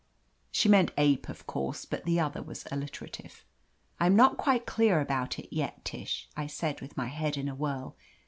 She meant ape, of course, but the other was alliterative. "I'm not quite clear about it yet, Tish," I said, with my head in a whirl.